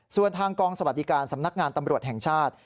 ส่วนทางกองสวัสดิการสำนักงานตำรวจแห่งชาติ